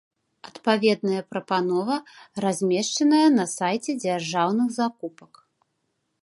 Адпаведная прапанова размешчаная на сайце дзяржаўных закупак.